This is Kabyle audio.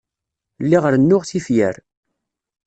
Lliɣ rennuɣ tifyar.